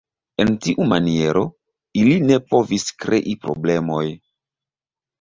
En tiu maniero, ili ne povis krei problemoj.